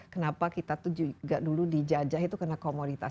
kenapa kita tuh juga dulu dijajah itu karena komoditas